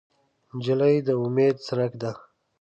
نجلۍ د امید څرک ده.